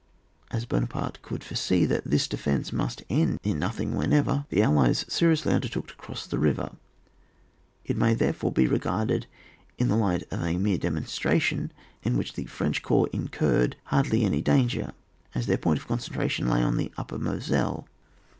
As Buonaparte could foresee that this defence must end in no thing whenever, the Allies seriously un dertook to cross the river, it may there fore be regarded in the light of a mere demonstration, in which the French corps incurred hardly any danger, as their point of concentration lay on the Upper Moselle.